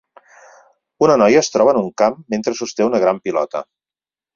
Una noia es troba en un camp mentre sosté una gran pilota.